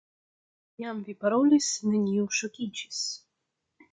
Kiam vi parolis, neniu ŝokiĝis.